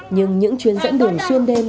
nhưng những chuyến dẫn đường xuyên đêm